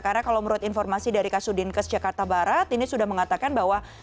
karena kalau menurut informasi dari kasudin kes jakarta barat ini sudah mengatakan bahwa